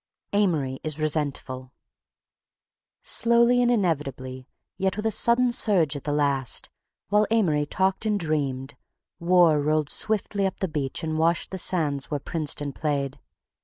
AMORY IS RESENTFUL Slowly and inevitably, yet with a sudden surge at the last, while Amory talked and dreamed, war rolled swiftly up the beach and washed the sands where Princeton played.